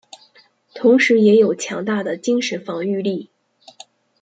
同时也有强大的精神防御力。